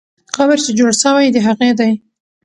قبر چې جوړ سوی، د هغې دی.